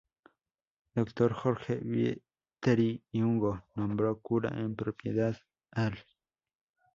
Dr. Jorge Viteri y Ungo "nombró Cura en propiedad al Br.